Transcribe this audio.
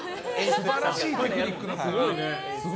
素晴らしいテクニック。